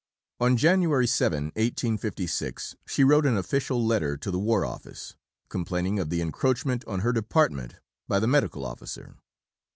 On January 7, 1856, she wrote an official letter to the War Office, complaining of the encroachment on her department by the Medical Officer.